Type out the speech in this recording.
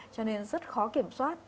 cho nên rất khó kiểm soát